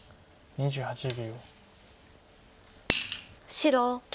２８秒。